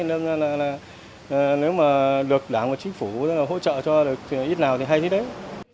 nên nếu được đảng và chính phủ hỗ trợ cho ít nào thì hay thế đấy